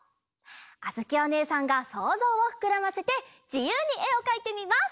あづきおねえさんがそうぞうをふくらませてじゆうにえをかいてみます！